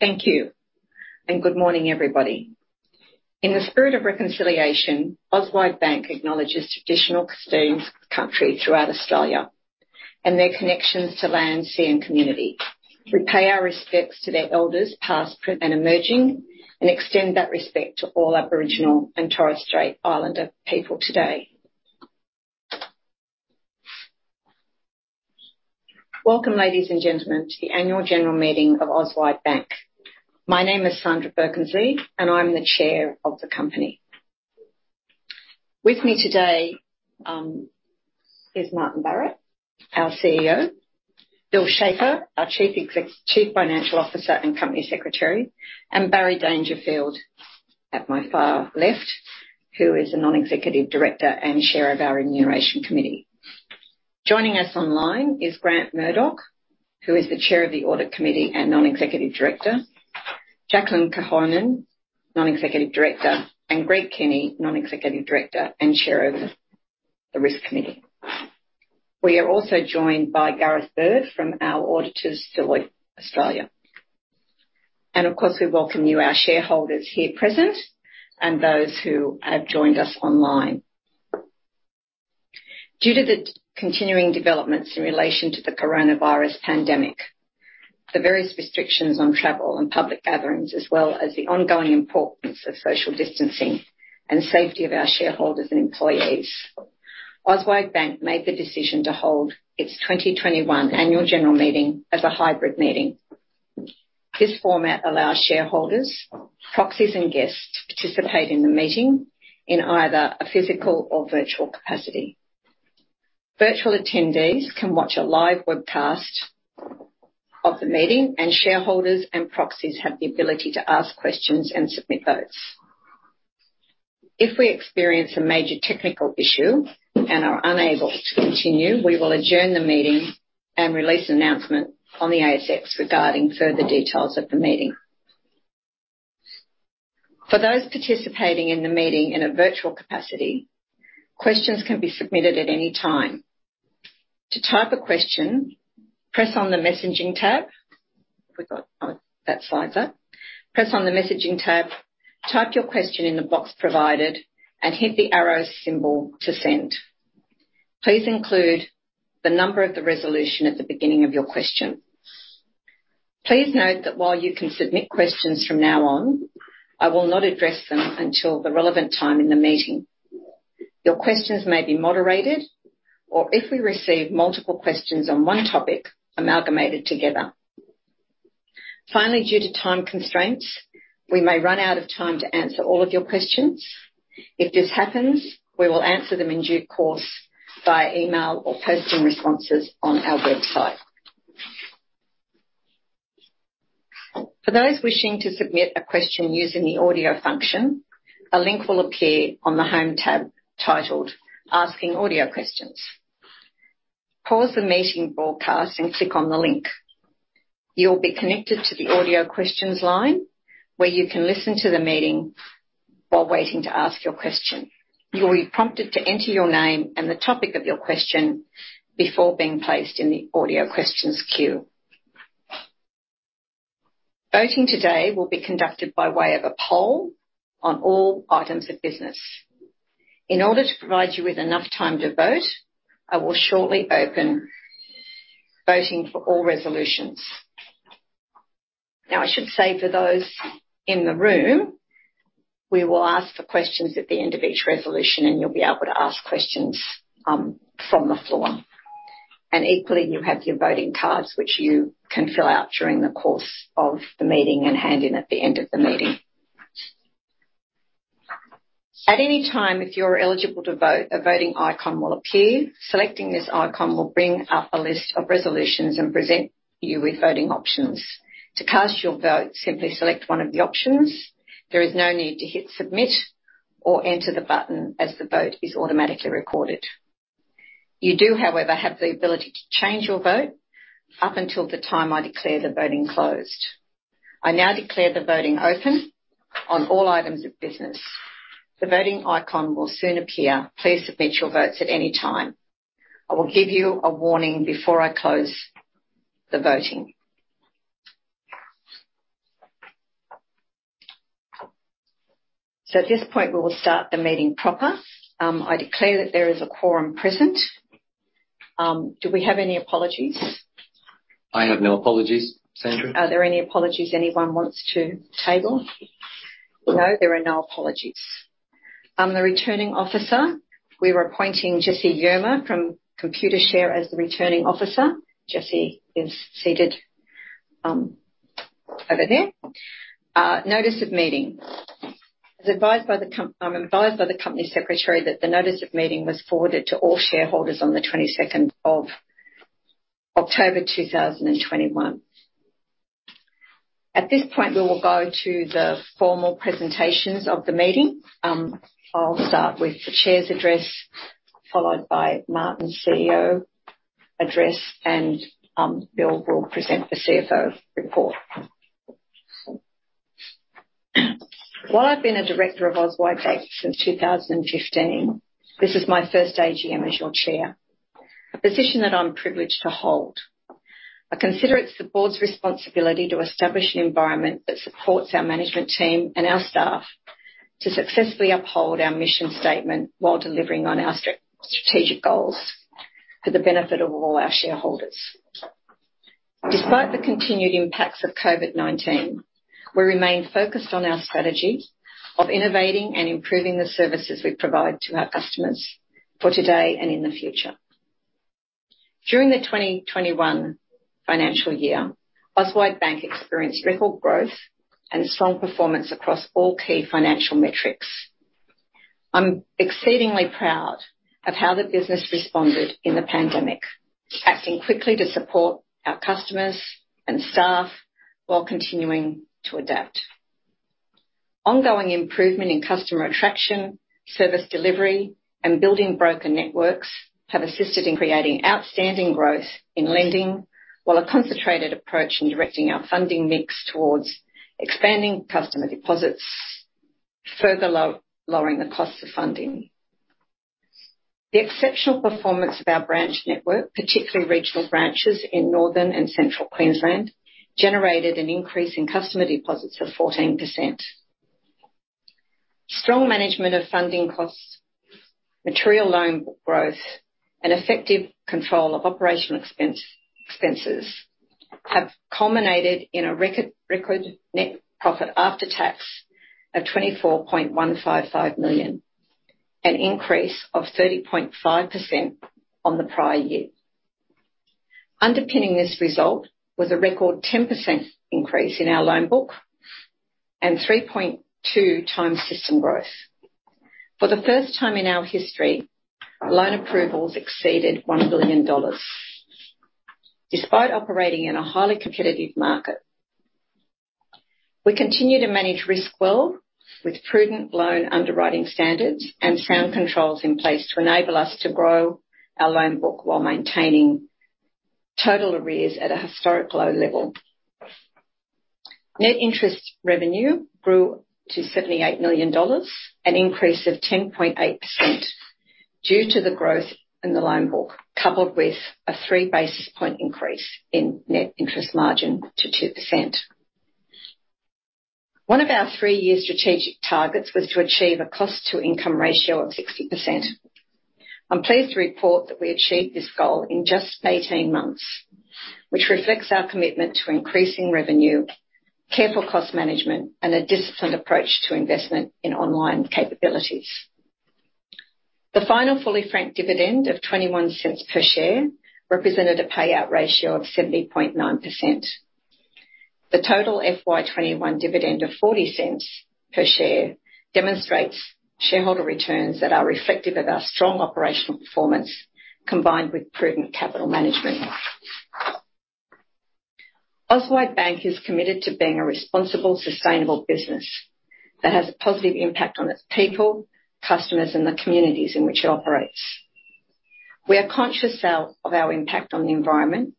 Thank you, and good morning, everybody. In the spirit of reconciliation, Auswide Bank acknowledges traditional custodians of country throughout Australia and their connections to land, sea, and community. We pay our respects to their elders past, present, and emerging, and extend that respect to all Aboriginal and Torres Strait Islander people today. Welcome, ladies and gentlemen, to the annual general meeting of Auswide Bank. My name is Sandra Birkensleigh, and I'm the Chair of the company. With me today is Martin Barrett, our CEO. Bill Schafer, our Chief Financial Officer and Company Secretary. And Barry Dangerfield at my far left, who is a Non-Executive Director and Chair of our Remuneration Committee. Joining us online is Grant Murdoch, who is the Chair of the Audit Committee and Non-Executive Director. Jacqueline Korhonen, Non-Executive Director. And Greg Kenny, Non-Executive Director and Chair of the Risk Committee. We are also joined by Gareth Bird from our auditors, Deloitte Australia. Of course, we welcome you, our shareholders here present and those who have joined us online. Due to the continuing developments in relation to the coronavirus pandemic, the various restrictions on travel and public gatherings, as well as the ongoing importance of social distancing and safety of our shareholders and employees, Auswide Bank made the decision to hold its 2021 annual general meeting as a hybrid meeting. This format allows shareholders, proxies, and guests to participate in the meeting in either a physical or virtual capacity. Virtual attendees can watch a live webcast of the meeting, and shareholders and proxies have the ability to ask questions and submit votes. If we experience a major technical issue and are unable to continue, we will adjourn the meeting and release an announcement on the ASX regarding further details of the meeting. For those participating in the meeting in a virtual capacity, questions can be submitted at any time. To type a question, press on the messaging tab. We've got that slide's up. Press on the messaging tab, type your question in the box provided, and hit the arrow symbol to send. Please include the number of the resolution at the beginning of your question. Please note that while you can submit questions from now on, I will not address them until the relevant time in the meeting. Your questions may be moderated or, if we receive multiple questions on one topic, amalgamated together. Finally, due to time constraints, we may run out of time to answer all of your questions. If this happens, we will answer them in due course via email or posting responses on our website. For those wishing to submit a question using the audio function, a link will appear on the Home tab titled Asking Audio Questions. Pause the meeting broadcast and click on the link. You'll be connected to the audio questions line, where you can listen to the meeting while waiting to ask your question. You'll be prompted to enter your name and the topic of your question before being placed in the audio questions queue. Voting today will be conducted by way of a poll on all items of business. In order to provide you with enough time to vote, I will shortly open voting for all resolutions. Now, I should say for those in the room, we will ask for questions at the end of each resolution, and you'll be able to ask questions, from the floor. Equally, you have your voting cards, which you can fill out during the course of the meeting and hand in at the end of the meeting. At any time, if you're eligible to vote, a voting icon will appear. Selecting this icon will bring up a list of resolutions and present you with voting options. To cast your vote, simply select one of the options. There is no need to hit Submit or enter the button as the vote is automatically recorded. You do, however, have the ability to change you r vote up until the time I declare the voting closed. I now declare the voting open on all items of business. The voting icon will soon appear. Please submit your votes at any time. I will give you a warning before I close the voting. At this point, we will start the meeting proper. I declare that there is a quorum present. Do we have any apologies? I have no apologies, Sandra. Are there any apologies anyone wants to table? No, there are no apologies. The Returning Officer, we're appointing Jesse Yerma from Computershare as the Returning Officer. Jesse is seated over there. Notice of meeting. I'm advised by the Company Secretary that the notice of meeting was forwarded to all shareholders on the 22nd of October 2021. At this point, we will go to the formal presentations of the meeting. I'll start with the Chair's Address, followed by Martin's CEO Address, and Bill will present the CFO report. While I've been a director of Auswide Bank since 2015, this is my first AGM as your chair, a position that I'm privileged to hold. I consider it the board's responsibility to establish an environment that supports our management team and our staff to successfully uphold our mission statement while delivering on our strategic goals for the benefit of all our shareholders. Despite the continued impacts of COVID-19, we remain focused on our strategy of innovating and improving the services we provide to our customers for today and in the future. During the 2021 financial year, Auswide Bank experienced record growth and strong performance across all key financial metrics. I'm exceedingly proud of how the business responded in the pandemic, acting quickly to support our customers and staff while continuing to adapt. Ongoing improvement in customer attraction, service delivery, and building broker networks have assisted in creating outstanding growth in lending, while a concentrated approach in directing our funding mix towards expanding customer deposits, further lowering the costs of funding. The exceptional performance of our branch network, particularly regional branches in northern and central Queensland, generated an increase in customer deposits of 14%. Strong management of funding costs, material loan growth, and effective control of operational expenses have culminated in a record net profit after tax of 24.155 million, an increase of 30.5% on the prior year. Underpinning this result was a record 10% increase in our loan book and 3.2 times system growth. For the first time in our history, loan approvals exceeded 1 billion dollars, despite operating in a highly competitive market. We continue to manage risk well with prudent loan underwriting standards and sound controls in place to enable us to grow our loan book while maintaining total arrears at a historic low level. Net interest revenue grew to 78 million dollars, an increase of 10.8% due to the growth in the loan book, coupled with a 3 basis point increase in net interest margin to 2%. One of our 3-year strategic targets was to achieve a cost-to-income ratio of 60%. I'm pleased to report that we achieved this goal in just 18 months, which reflects our commitment to increasing revenue, careful cost management, and a disciplined approach to investment in online capabilities. The final fully franked dividend of 0.21 per share represented a payout ratio of 70.9%. The total FY 2021 dividend of 0.40 per share demonstrates shareholder returns that are reflective of our strong operational performance, combined with prudent capital management. Auswide Bank is committed to being a responsible, sustainable business that has a positive impact on its people, customers, and the communities in which it operates. We are conscious of our impact on the environment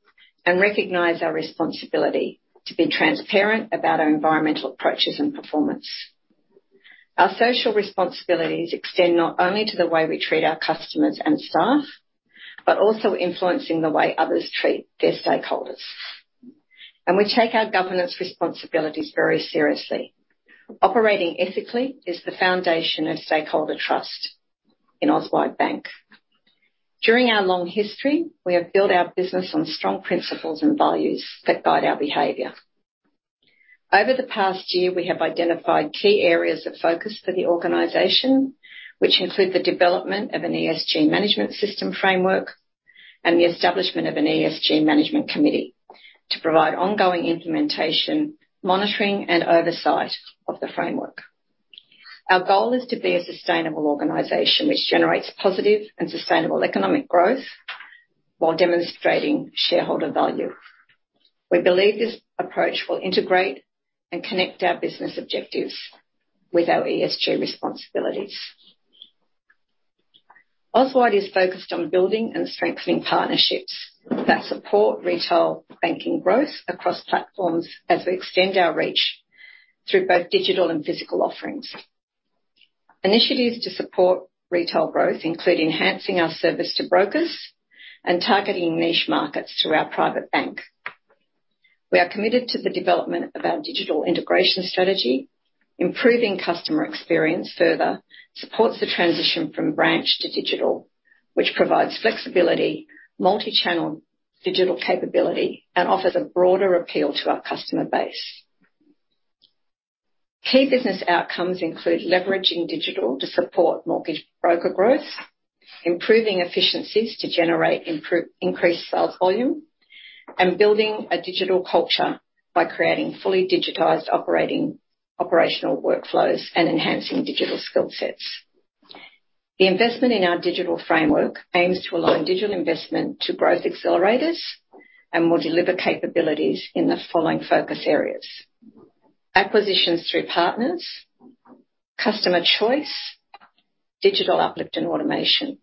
and recognize our responsibility to be transparent about our environmental approaches and performance. Our social responsibilities extend not only to the way we treat our customers and staff, but also influencing the way others treat their stakeholders. We take our governance responsibilities very seriously. Operating ethically is the foundation of stakeholder trust in Auswide Bank. During our long history, we have built our business on strong principles and values that guide our behavior. Over the past year, we have identified key areas of focus for the organization, which include the development of an ESG management system framework and the establishment of an ESG management committee to provide ongoing implementation, monitoring, and oversight of the framework. Our goal is to be a sustainable organization which generates positive and sustainable economic growth while demonstrating shareholder value. We believe this approach will integrate and connect our business objectives with our ESG responsibilities. Auswide is focused on building and strengthening partnerships that support retail banking growth across platforms as we extend our reach through both digital and physical offerings. Initiatives to support retail growth include enhancing our service to brokers and targeting niche markets through our Private Bank. We are committed to the development of our digital integration strategy. Improving customer experience further supports the transition from branch to digital, which provides flexibility, multi-channel digital capability, and offers a broader appeal to our customer base. Key business outcomes include leveraging digital to support mortgage broker growth, improving efficiencies to generate increased sales volume, and building a digital culture by creating fully digitized operational workflows and enhancing digital skill sets. The investment in our digital framework aims to align digital investment to growth accelerators and will deliver capabilities in the following focus areas. Acquisitions through partners, customer choice, digital uplift, and automation.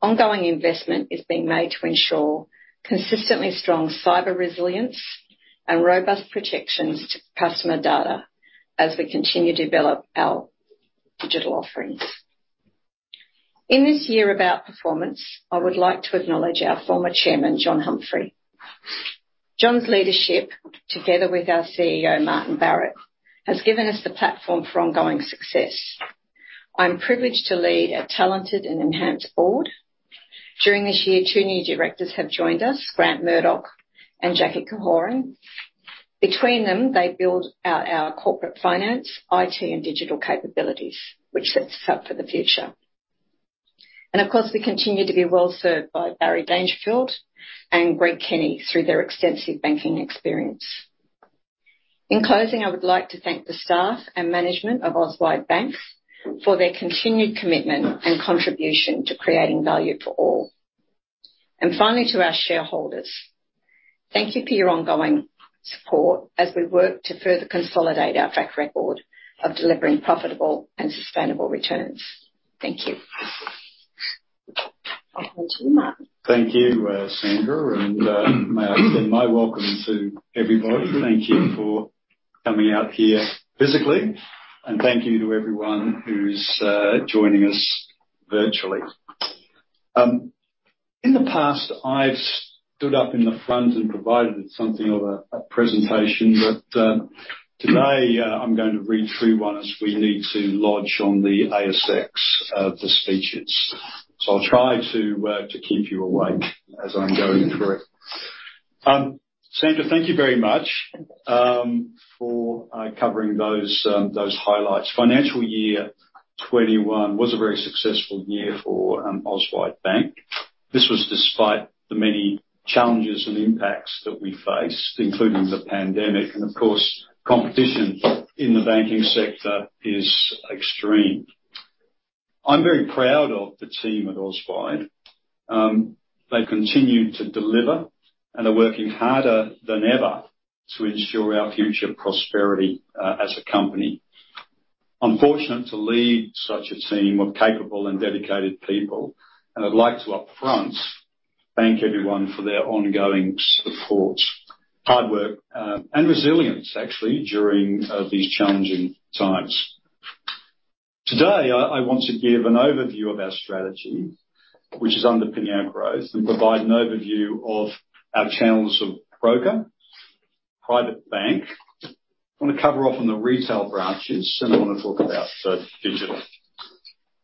Ongoing investment is being made to ensure consistently strong cyber resilience and robust protections to customer data as we continue to develop our digital offerings. In this year of our performance, I would like to acknowledge our former Chairman, John Humphrey. John's leadership, together with our CEO, Martin Barrett, has given us the platform for ongoing success. I'm privileged to lead a talented and enhanced board. During this year, two new directors have joined us, Grant Murdoch and Jacqueline Korhonen. Between them, they build out our corporate finance, IT, and digital capabilities, which sets us up for the future. Of course, we continue to be well-served by Barry Dangerfield and Greg Kenny through their extensive banking experience. In closing, I would like to thank the staff and management of Auswide Bank for their continued commitment and contribution to creating value for all. Finally, to our shareholders, thank you for your ongoing support as we work to further consolidate our track record of delivering profitable and sustainable returns. Thank you. Over to you, Martin. Thank you, Sandra, and may I extend my welcome to everybody. Thank you for coming out here physically, and thank you to everyone who's joining us virtually. In the past, I've stood up in the front and provided something of a presentation, but today, I'm going to read through one, as we need to lodge on the ASX the speeches. I'll try to keep you awake as I'm going through it. Sandra, thank you very much for covering those highlights. Financial year 2021 was a very successful year for Auswide Bank. This was despite the many challenges and impacts that we faced, including the pandemic, and of course, competition in the banking sector is extreme. I'm very proud of the team at Auswide. They've continued to deliver and are working harder than ever to ensure our future prosperity as a company. I'm fortunate to lead such a team of capable and dedicated people, and I'd like to, upfront, thank everyone for their ongoing support, hard work, and resilience actually, during these challenging times. Today, I want to give an overview of our strategy, which is underpinning our growth, and provide an overview of our channels of broker, Private Bank. I wanna cover off on the retail branches, and I wanna talk about digital.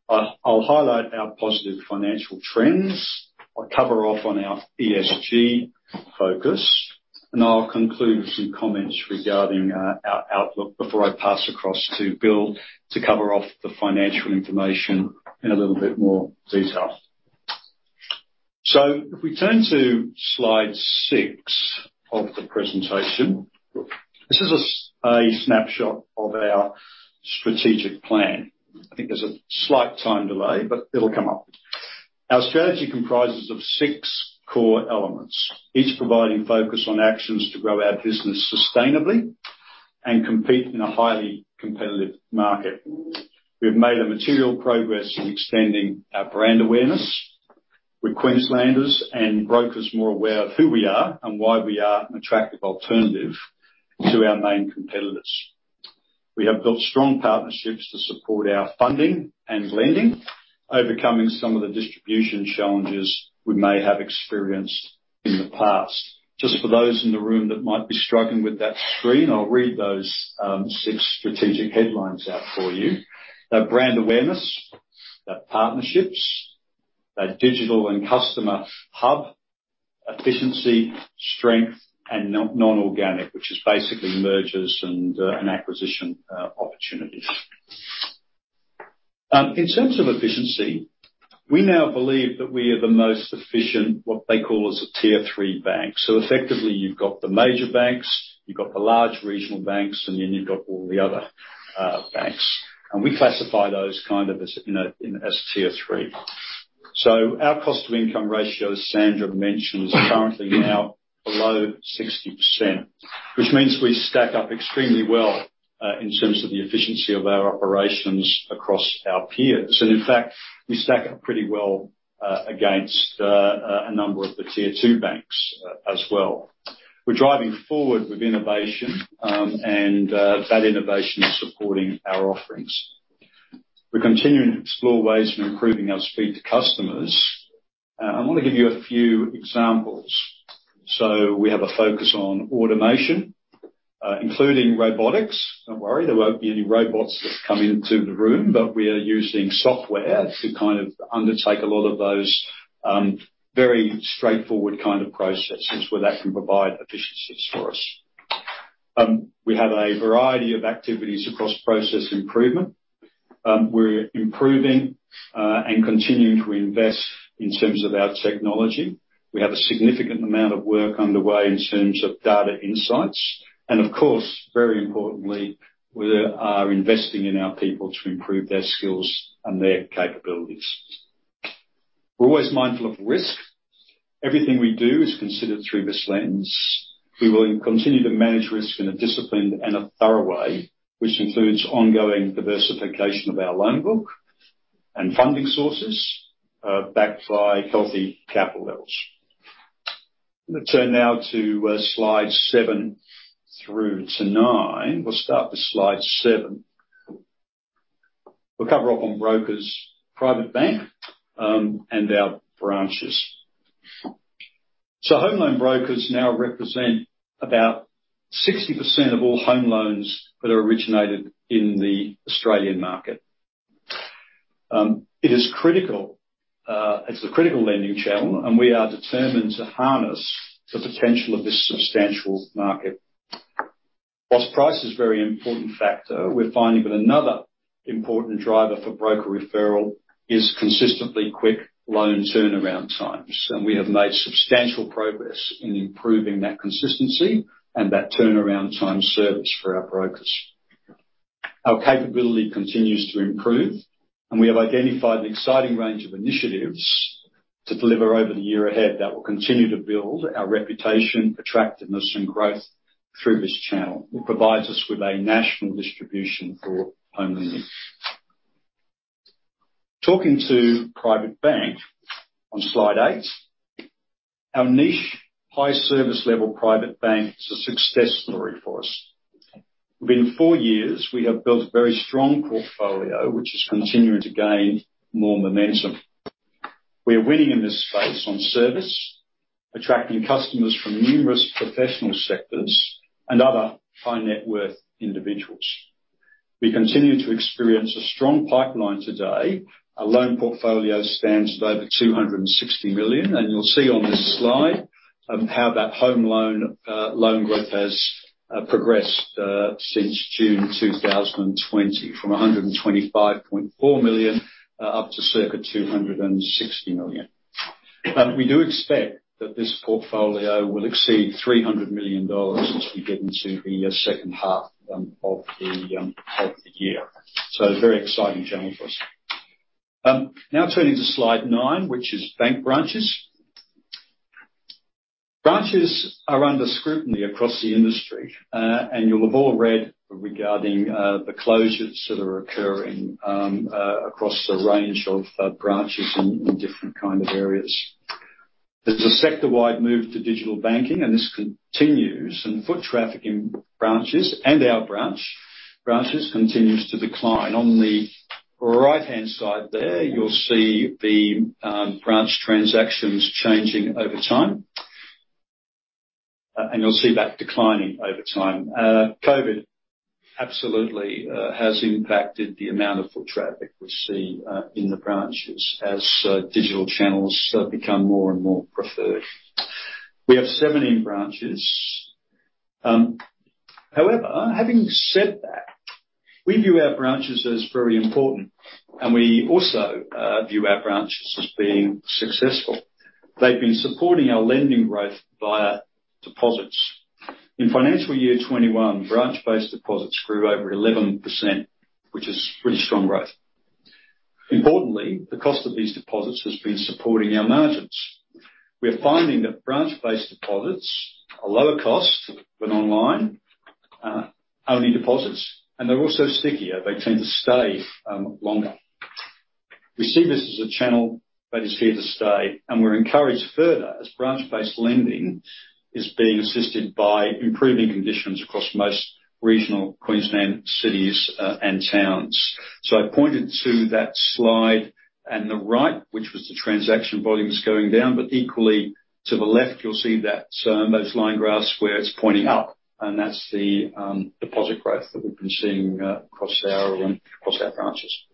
I'll highlight our positive financial trends. I'll cover off on our ESG focus, and I'll conclude with some comments regarding our outlook before I pass across to Bill to cover off the financial information in a little bit more detail. If we turn to slide six of the presentation, this is a snapshot of our strategic plan. I think there's a slight time delay, but it'll come up. Our strategy comprises of six core elements, each providing focus on actions to grow our business sustainably and compete in a highly competitive market. We've made a material progress in extending our brand awareness, with Queenslanders and brokers more aware of who we are and why we are an attractive alternative to our main competitors. We have built strong partnerships to support our funding and lending, overcoming some of the distribution challenges we may have experienced in the past. Just for those in the room that might be struggling with that screen, I'll read those six strategic headlines out for you. They're brand awareness, they're partnerships, they're digital and customer hub, efficiency, strength, and non-organic, which is basically mergers and acquisition opportunities. In terms of efficiency, we now believe that we are the most efficient, what they call as a tier three bank. Effectively you've got the major banks, you've got the large regional banks, and then you've got all the other banks. We classify those kind of as, you know, as tier three. Our cost-to-income ratio, as Sandra mentioned, is currently now below 60%, which means we stack up extremely well in terms of the efficiency of our operations across our peers. In fact, we stack up pretty well against a number of the tier two banks as well. We're driving forward with innovation, and that innovation is supporting our offerings. We're continuing to explore ways of improving our speed to customers. I wanna give you a few examples. We have a focus on automation, including robotics. Don't worry, there won't be any robots that come into the room, but we are using software to kind of undertake a lot of those very straightforward kind of processes where that can provide efficiencies for us. We have a variety of activities across process improvement. We're improving and continuing to invest in terms of our technology. We have a significant amount of work underway in terms of data insights, and of course, very importantly, we are investing in our people to improve their skills and their capabilities. We're always mindful of risk. Everything we do is considered through this lens. We will continue to manage risk in a disciplined and a thorough way, which includes ongoing diversification of our loan book and funding sources, backed by healthy capital levels. Let's turn now to slide seven through to 9. We'll start with slide seven. We'll cover off on brokers, Private Bank, and our branches. Home loan brokers now represent about 60% of all home loans that are originated in the Australian market. It is critical, it's the critical lending channel, and we are determined to harness the potential of this substantial market. While price is very important factor, we're finding that another important driver for broker referral is consistently quick loan turnaround times, and we have made substantial progress in improving that consistency and that turnaround time service for our brokers. Our capability continues to improve, and we have identified an exciting range of initiatives to deliver over the year ahead that will continue to build our reputation, attractiveness, and growth through this channel. It provides us with a national distribution for home lending. Talking to Private Bank on slide eight, our niche high service level Private Bank is a success story for us. Within four years, we have built a very strong portfolio, which is continuing to gain more momentum. We are winning in this space on service, attracting customers from numerous professional sectors and other high-net-worth individuals. We continue to experience a strong pipeline today. Our loan portfolio stands at over 260 million, and you'll see on this slide how that home loan loan growth has progressed since June 2020, from 125.4 million up to circa 260 million. We do expect that this portfolio will exceed 300 million dollars as we get into the second half of the year. A very exciting channel for us. Now turning to slide nine, which is bank branches. Branches are under scrutiny across the industry, and you'll have all read regarding the closures that are occurring across a range of branches in different kind of areas. There's a sector-wide move to digital banking, and this continues, and foot traffic in branches and our branches continues to decline. On the right-hand side there, you'll see the branch transactions changing over time. And you'll see that declining over time. COVID absolutely has impacted the amount of foot traffic we see in the branches as digital channels become more and more preferred. We have 17 branches. However, having said that, we view our branches as very important, and we also view our branches as being successful. They've been supporting our lending growth via deposits. In financial year 2021, branch-based deposits grew over 11%, which is pretty strong growth. Importantly, the cost of these deposits has been supporting our margins. We are finding that branch-based deposits are lower cost than online only deposits, and they're also stickier. They tend to stay longer. We see this as a channel that is here to stay, and we're encouraged further as branch-based lending is being assisted by improving conditions across most regional Queensland cities and towns. I pointed to that slide on the right, which was the transaction volumes going down, but equally to the left, you'll see that those line graphs where it's pointing up, and that's the deposit growth that we've been seeing across our branches.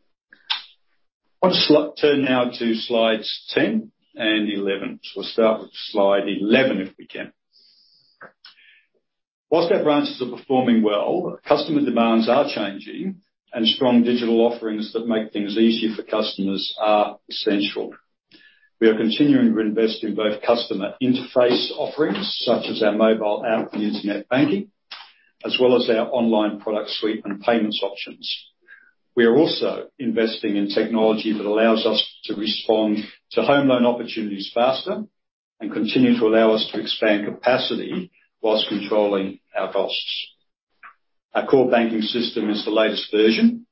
I'll turn now to slides 10 and 11. We'll start with slide 11, if we can. While our branches are performing well, customer demands are changing, and strong digital offerings that make things easier for customers are essential. We are continuing to invest in both customer interface offerings such as our mobile app and internet banking, as well as our online product suite and payments options. We are also investing in technology that allows us to respond to home loan opportunities faster and continue to allow us to expand capacity while controlling our costs. Our core banking system is the latest version,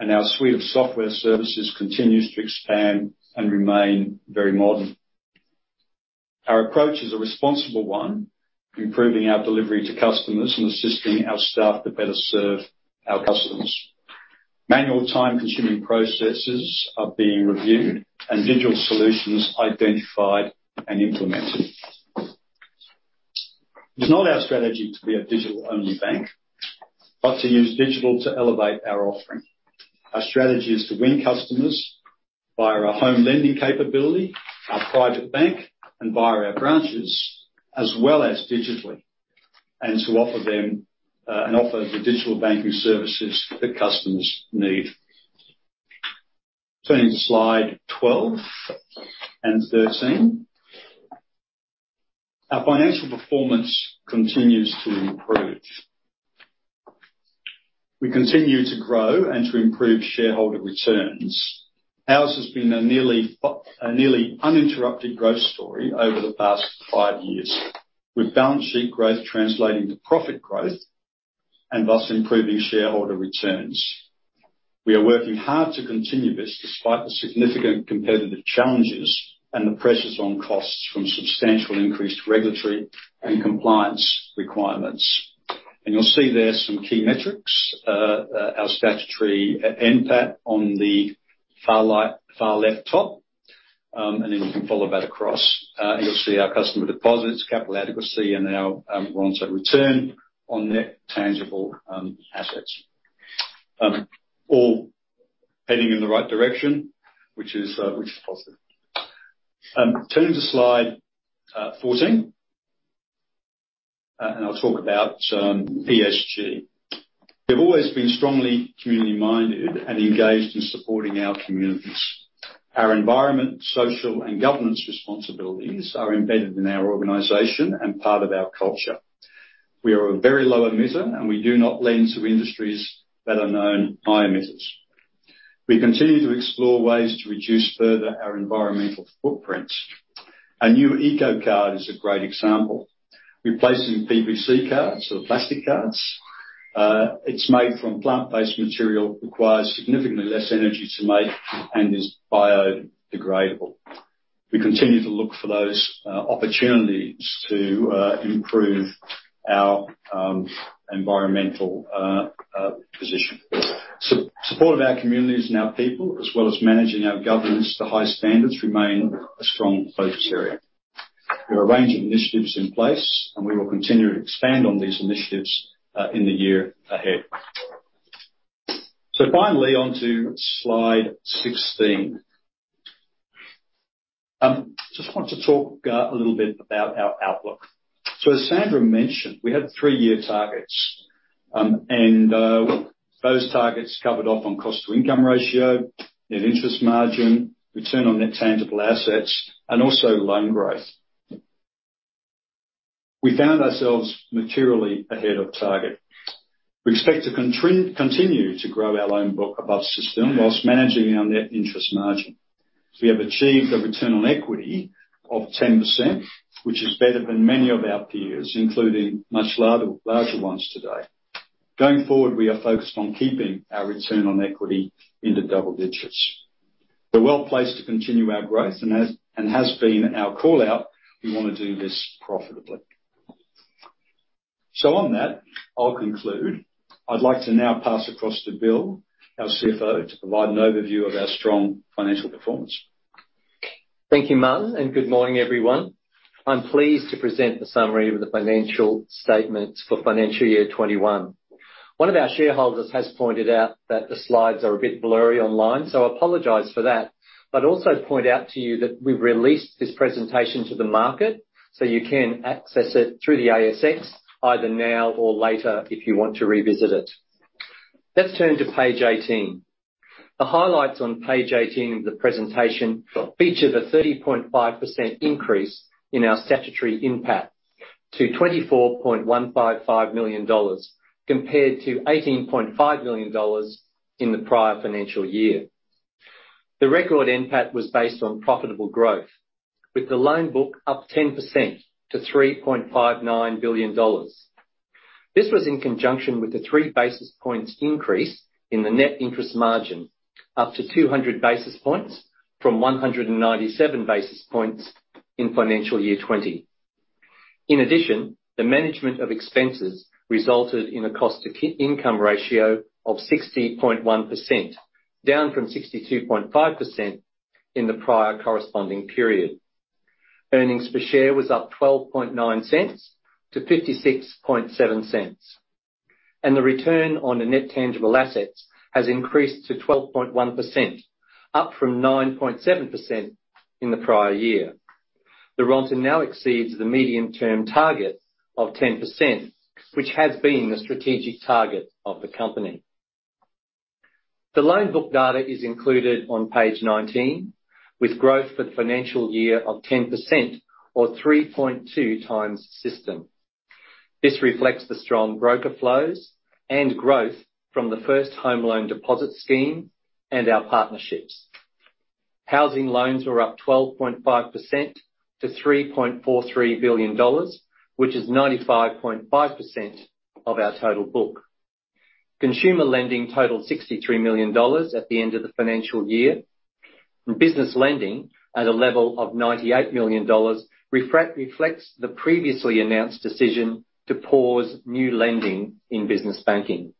and our suite of software services continues to expand and remain very modern. Our approach is a responsible one, improving our delivery to customers and assisting our staff to better serve our customers. Manual time-consuming processes are being reviewed and digital solutions identified and implemented. It's not our strategy to be a digital-only bank, but to use digital to elevate our offering. Our strategy is to win customers via our home lending capability, our Private Bank, and via our branches, as well as digitally, and to offer them, and offer the digital banking services that customers need. Turning to slide 12 and 13. Our financial performance continues to improve. We continue to grow and to improve shareholder returns. Ours has been a nearly uninterrupted growth story over the past five years, with balance sheet growth translating to profit growth and thus improving shareholder returns. We are working hard to continue this despite the significant competitive challenges and the pressures on costs from substantial increased regulatory and compliance requirements. You'll see there some key metrics, our statutory NPAT on the far left top. You can follow that across, and you'll see our customer deposits, capital adequacy, and our RONTA, so return on net tangible assets. All heading in the right direction, which is positive. Turn to slide 14. I'll talk about ESG. We've always been strongly community-minded and engaged in supporting our communities. Our environmental, social, and governance responsibilities are embedded in our organization and part of our culture. We are a very low emitter, and we do not lend to industries that are known high emitters. We continue to explore ways to reduce further our environmental footprint. Our new eco card is a great example. Replacing PVC cards or plastic cards, it's made from plant-based material, requires significantly less energy to make, and is biodegradable. We continue to look for those opportunities to improve our environmental position. Support of our communities and our people, as well as managing our governance to high standards remain a strong focus area. There are a range of initiatives in place, and we will continue to expand on these initiatives in the year ahead. Finally, on to slide 16. I just want to talk a little bit about our outlook. As Sandra mentioned, we had three-year targets. Those targets covered off on cost-to-income ratio, net interest margin, return on net tangible assets, and also loan growth. We found ourselves materially ahead of target. We expect to continue to grow our loan book above system whilst managing our net interest margin. We have achieved a return on equity of 10%, which is better than many of our peers, including much larger ones today. Going forward, we are focused on keeping our return on equity into double digits. We're well placed to continue our growth, and as has been our call-out, we wanna do this profitably. On that, I'll conclude. I'd like to now pass across to Bill, our CFO, to provide an overview of our strong financial performance. Thank you, Martin, and good morning, everyone. I'm pleased to present the summary of the financial statements for financial year 2021. One of our shareholders has pointed out that the slides are a bit blurry online, so I apologize for that. Also point out to you that we've released this presentation to the market, so you can access it through the ASX either now or later if you want to revisit it. Let's turn to page 18. The highlights on page 18 of the presentation feature the 30.5% increase in our statutory NPAT to 24.155 million dollars compared to 18.5 million dollars in the prior financial year. The record NPAT was based on profitable growth, with the loan book up 10% to 3.59 billion dollars. This was in conjunction with the 3 basis points increase in the net interest margin, up to 200 basis points from 197 basis points in FY 2020. In addition, the management of expenses resulted in a cost-to-income ratio of 60.1%, down from 62.5% in the prior corresponding period. Earnings per share was up 0.129 to 0.567. The return on the net tangible assets has increased to 12.1%, up from 9.7% in the prior year. The RONTA now exceeds the medium-term target of 10%, which has been the strategic target of the company. The loan book data is included on page 19, with growth for the financial year of 10% or 3.2x system. This reflects the strong broker flows and growth from the First Home Loan Deposit Scheme and our partnerships. Housing loans are up 12.5% to 3.43 billion dollars, which is 95.5% of our total book. Consumer lending totaled 63 million dollars at the end of the financial year. Business lending, at a level of 98 million dollars, reflects the previously announced decision to pause new lending in business banking.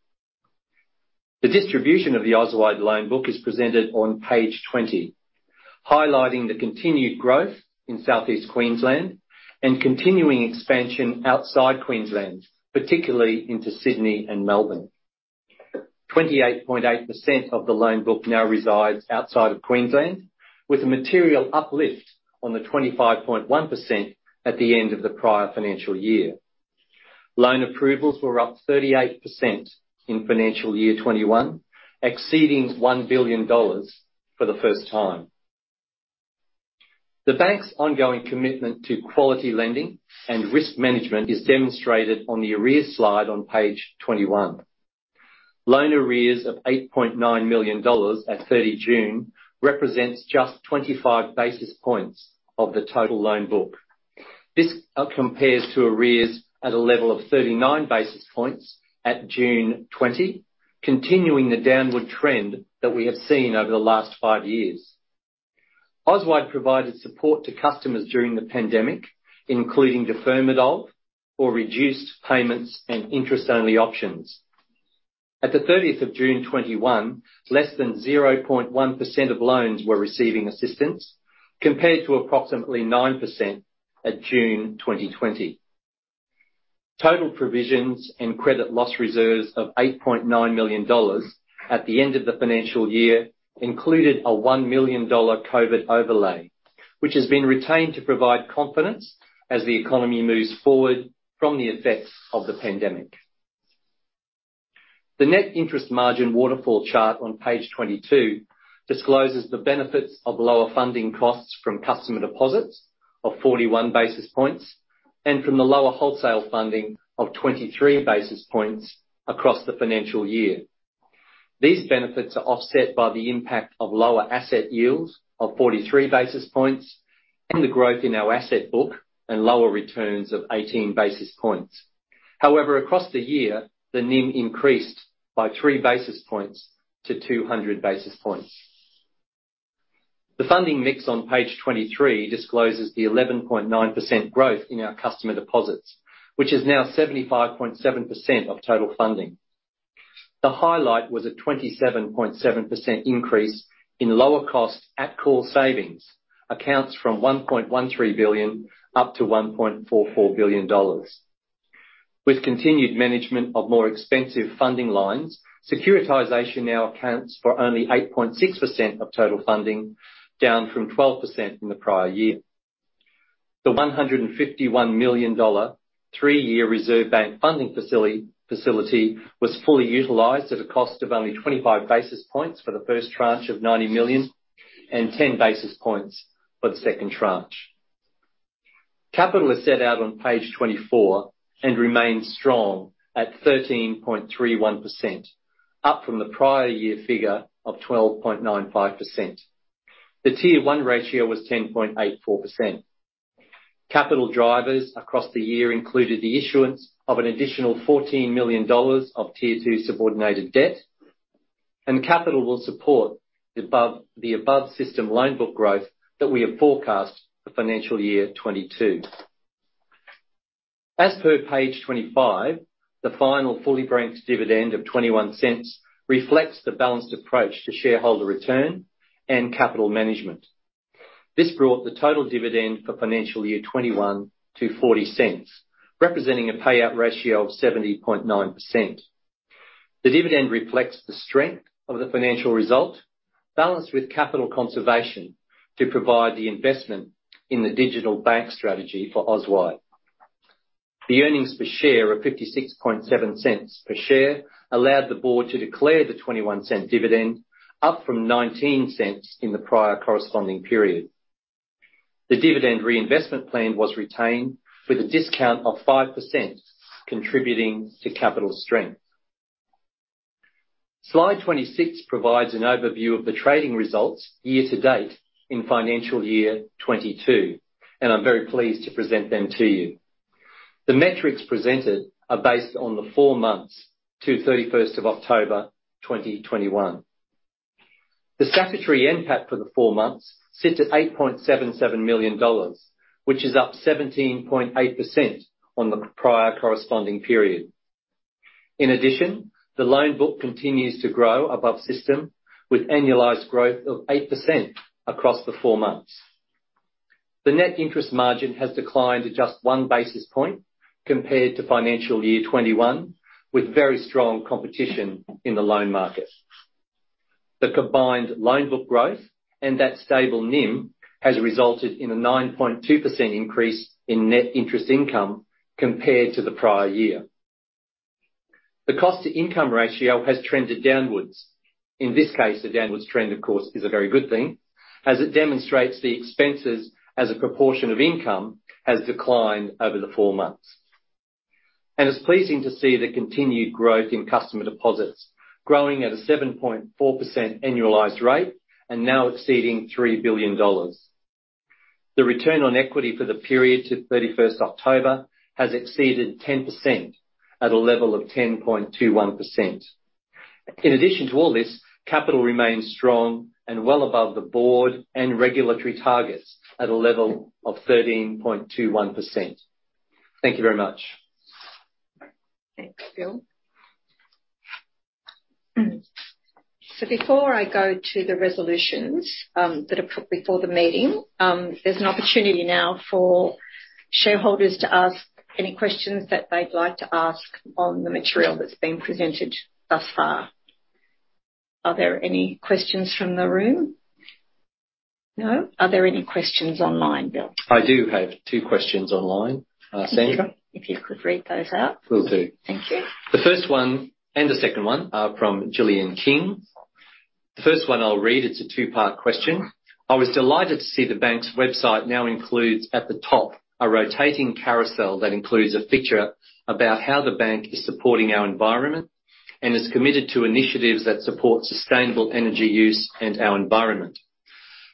The distribution of the Auswide loan book is presented on page 20, highlighting the continued growth in Southeast Queensland and continuing expansion outside Queensland, particularly into Sydney and Melbourne. 28.8% of the loan book now resides outside of Queensland, with a material uplift on the 25.1% at the end of the prior financial year. Loan approvals were up 38% in financial year 2021, exceeding 1 billion dollars for the first time. The bank's ongoing commitment to quality lending and risk management is demonstrated on the arrears slide on page 21. Loan arrears of 8.9 million dollars at 30 June 2021 represents just 25 basis points of the total loan book. This compares to arrears at a level of 39 basis points at June 2020, continuing the downward trend that we have seen over the last five years. Auswide provided support to customers during the pandemic, including deferment of or reduced payments and interest-only options. At the 30th of June 2021, less than 0.1% of loans were receiving assistance, compared to approximately 9% at June 2020. Total provisions and credit loss reserves of 8.9 million dollars at the end of the financial year included a 1 million dollar COVID overlay, which has been retained to provide confidence as the economy moves forward from the effects of the pandemic. The net interest margin waterfall chart on page 22 discloses the benefits of lower funding costs from customer deposits of 41 basis points and from the lower wholesale funding of 23 basis points across the financial year. These benefits are offset by the impact of lower asset yields of 43 basis points and the growth in our asset book and lower returns of 18 basis points. However, across the year, the NIM increased by 3 basis points to 200 basis points. The funding mix on page 23 discloses the 11.9% growth in our customer deposits, which is now 75.7% of total funding. The highlight was a 27.7% increase in lower costs at call savings accounts from 1.13 billion up to 1.44 billion dollars. With continued management of more expensive funding lines, securitization now accounts for only 8.6% of total funding, down from 12% in the prior year. The 151 million dollar three-year Reserve Bank funding facility was fully utilized at a cost of only 25 basis points for the first tranche of 90 million and 10 basis points for the second tranche. Capital is set out on page 24 and remains strong at 13.31%, up from the prior year figure of 12.95%. The Tier 1 ratio was 10.84%. Capital drivers across the year included the issuance of an additional 14 million dollars of Tier 2 subordinated debt, and capital will support the above-system loan book growth that we have forecast for financial year 2022. As per page 25, the final fully franked dividend of 0.21 reflects the balanced approach to shareholder return and capital management. This brought the total dividend for financial year 2021 to 0.40, representing a payout ratio of 70.9%. The dividend reflects the strength of the financial result, balanced with capital conservation to provide the investment in the digital bank strategy for Auswide Bank. The earnings per share of 0.567 per share allowed the board to declare the 0.21 dividend, up from 0.19 in the prior corresponding period. The dividend reinvestment plan was retained with a discount of 5%, contributing to capital strength. Slide 26 provides an overview of the trading results year to date in financial year 2022, and I'm very pleased to present them to you. The metrics presented are based on the four months to 31st of October 2021. The statutory NPAT for the four months sits at 8.77 million dollars, which is up 17.8% on the prior corresponding period. In addition, the loan book continues to grow above system, with annualized growth of 8% across the four months. The net interest margin has declined to just 1 basis point compared to financial year 2021, with very strong competition in the loan market. The combined loan book growth and that stable NIM has resulted in a 9.2% increase in net interest income compared to the prior year. The cost to income ratio has trended downwards. In this case, a downwards trend, of course, is a very good thing, as it demonstrates the expenses as a proportion of income has declined over the four months. It's pleasing to see the continued growth in customer deposits, growing at a 7.4% annualized rate and now exceeding 3 billion dollars. The return on equity for the period to 31 October has exceeded 10% at a level of 10.21%. In addition to all this, capital remains strong and well above the board and regulatory targets at a level of 13.21%. Thank you very much. Thanks, Phil. Before I go to the resolutions, that are put before the meeting, there's an opportunity now for shareholders to ask any questions that they'd like to ask on the material that's been presented thus far. Are there any questions from the room? No. Are there any questions online, Bill? I do have two questions online. Sandra? If you could read those out. Will do. Thank you. The first one and the second one are from Jillian King. The first one I'll read, it's a two-part question. I was delighted to see the bank's website now includes, at the top, a rotating carousel that includes a feature about how the bank is supporting our environment and is committed to initiatives that support sustainable energy use and our environment.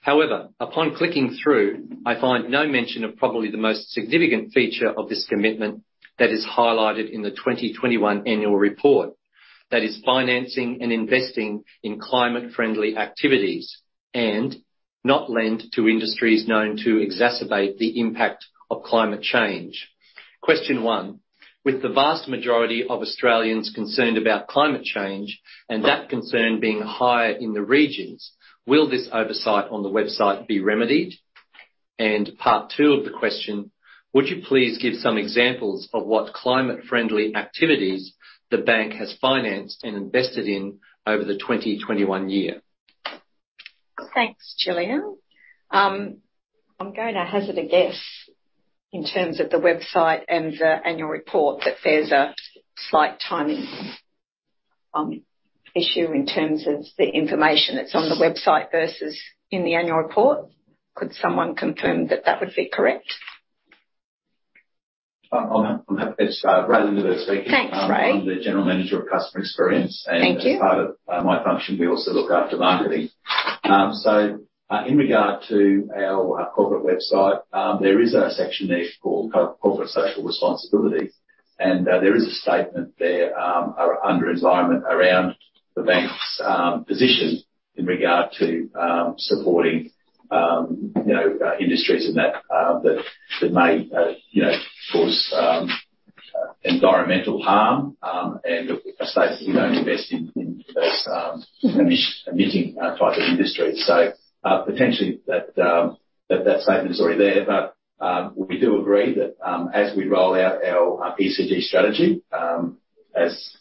However, upon clicking through, I find no mention of probably the most significant feature of this commitment that is highlighted in the 2021 annual report. That is financing and investing in climate-friendly activities and not lend to industries known to exacerbate the impact of climate change. Question one, with the vast majority of Australians concerned about climate change, and that concern being higher in the regions, will this oversight on the website be remedied? Part two of the question, would you please give some examples of what climate-friendly activities the bank has financed and invested in over the 2021 year? Thanks, Gillian. I'm going to hazard a guess in terms of the website and the annual report, that there's a slight timing issue in terms of the information that's on the website versus in the annual report. Could someone confirm that that would be correct? I'm happy. It's Ray Linderberg speaking. Thanks, Ray. I'm the General Manager of Customer Experience. Thank you. As part of my function, we also look after marketing. In regard to our corporate website, there is a section there called Corporate Social Responsibility, and there is a statement there under environment around the bank's position in regard to supporting you know industries and that may you know cause environmental harm, and a statement we don't invest in those emitting type of industries. Potentially that statement is already there. We do agree that as we roll out our ESG strategy, as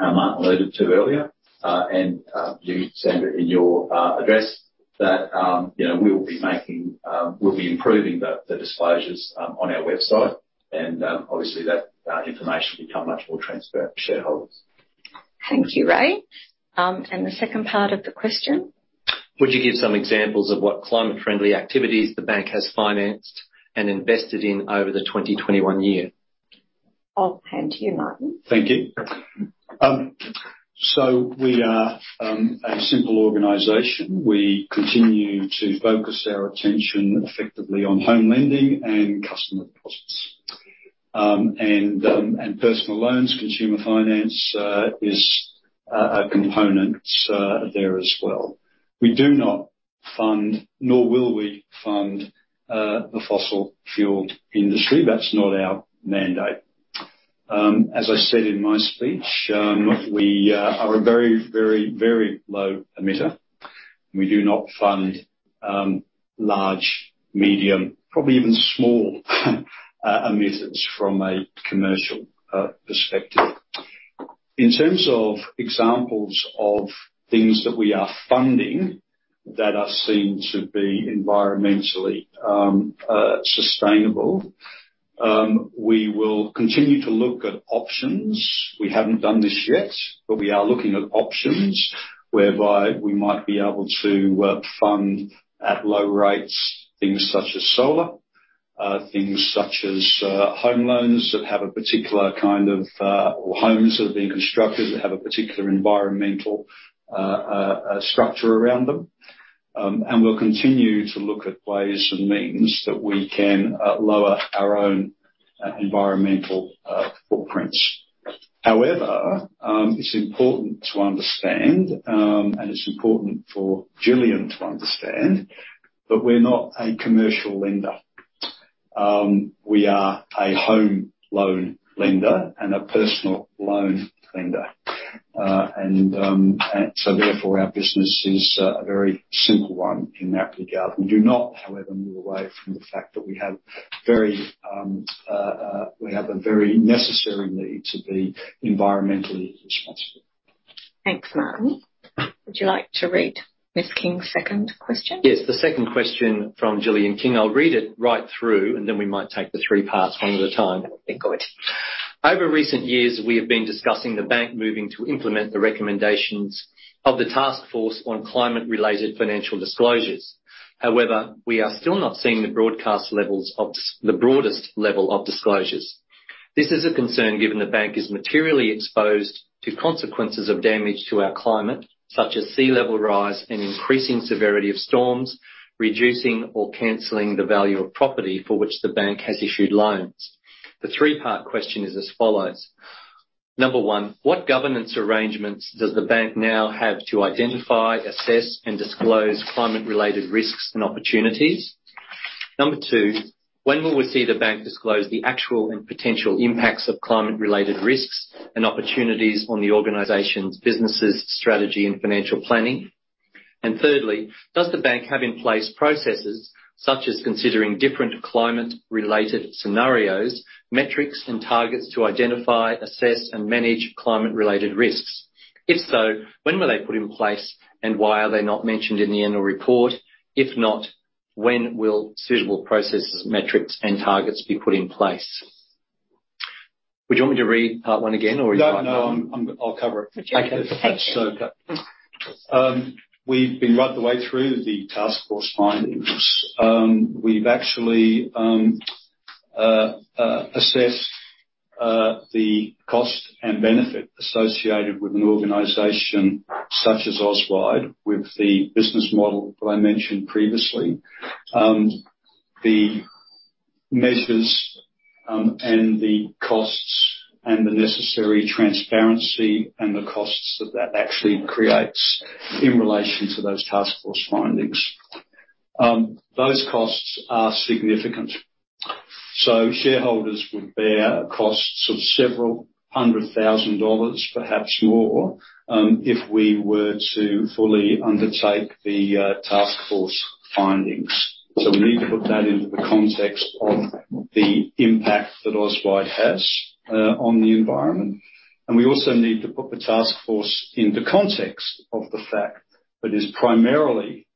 Martin alluded to earlier, and you, Sandra, in your address, that you know, we will be making, we'll be improving the disclosures on our website, and obviously that information will become much more transparent to shareholders. Thank you, Ray. The second part of the question. Would you give some examples of what climate-friendly activities the bank has financed and invested in over the 2021 year? I'll hand to you, Martin. Thank you. We are a simple organization. We continue to focus our attention effectively on home lending and customer deposits. Personal loans, consumer finance is a component there as well. We do not fund, nor will we fund, the fossil fuel industry. That's not our mandate. As I said in my speech, we are a very low emitter, and we do not fund large, medium, probably even small emitters from a commercial perspective. In terms of examples of things that we are funding that are seen to be environmentally sustainable, we will continue to look at options. We haven't done this yet, but we are looking at options whereby we might be able to fund at low rates things such as solar, home loans or homes that have been constructed that have a particular environmental structure around them. We'll continue to look at ways and means that we can lower our own environmental footprints. However, it's important to understand, and it's important for Gillian to understand, that we're not a commercial lender. We are a home loan lender and a personal loan lender. Therefore, our business is a very simple one in that regard. We do not, however, move away from the fact that we have a very necessary need to be environmentally responsible. Thanks, Martin. Would you like to read Ms. King's second question? Yes. The second question from Jillian King. I'll read it right through, and then we might take the three parts one at a time. Okay. That would be good. Over recent years, we have been discussing the bank moving to implement the recommendations of the Task Force on Climate-related Financial Disclosures. However, we are still not seeing the broadest level of disclosures. This is a concern given the bank is materially exposed to consequences of damage to our climate, such as sea level rise and increasing severity of storms, reducing or canceling the value of property for which the bank has issued loans. The three-part question is as follows. Number one, what governance arrangements does the bank now have to identify, assess, and disclose climate-related risks and opportunities? Number two, when will we see the bank disclose the actual and potential impacts of climate-related risks and opportunities on the organization's businesses, strategy, and financial planning? Thirdly, does the bank have in place processes such as considering different climate-related scenarios, metrics, and targets to identify, assess, and manage climate-related risks? If so, when were they put in place, and why are they not mentioned in the annual report? If not, when will suitable processes, metrics, and targets be put in place? Would you want me to read part one again or- No, no, I'm, I'll cover it. Okay. We've been right the way through the Task Force findings. We've actually assessed the cost and benefit associated with an organization such as Auswide with the business model that I mentioned previously. The measures and the costs and the necessary transparency and the costs that actually creates in relation to those Task Force findings. Those costs are significant. Shareholders would bear costs of AUD several hundred thousand, perhaps more, if we were to fully undertake the Task Force findings. We need to put that into the context of the impact that Auswide has on the environment. We also need to put the Task Force in the context of the fact that it's primarily